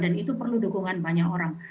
dan itu perlu dukungan banyak orang